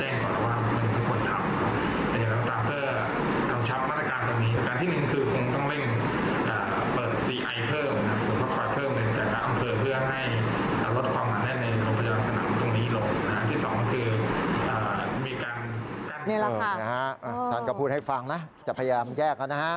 นี่แหละค่ะภาพก็พูดให้ฟังนะจะพยายามแยกนะฮะ